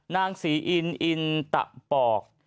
นางศรีอินอินตะปอก